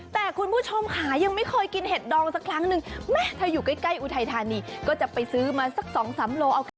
แต่คุณผู้ชมค่ะยังไม่เคยกินเห็ดดองสักครั้งนึงแม่เธออยู่ใกล้อุทัยธานีก็จะไปซื้อมาสักสองสามโลโอเค